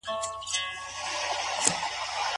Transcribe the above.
طلاق د خاوند او ميرمني تر منځ بيلتون دی.